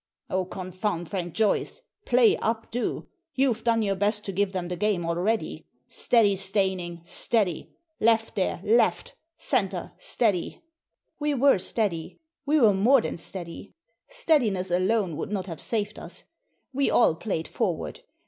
"" Oh, confound Frank Joyce I Play up, do. You've done your best to give them the game already. Steady, Steyning, steady. Left, there, left Centre, steady!" We were steady. We were more than steady. Steadiness alone would not have saved us. We all played forward.